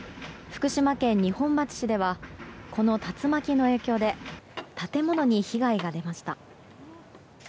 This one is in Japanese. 福島県二本松市ではこの竜巻の影響で建物に被害が出ました。